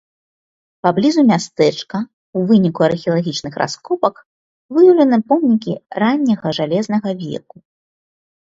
Паблізу мястэчка ў выніку археалагічных раскопак выяўленыя помнікі ранняга жалезнага веку.